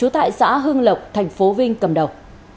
tại xã hưng lộc thành phố vinh cầm đầu